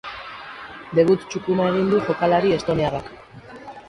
Debut txukuna egin du jokalari estoniarrak.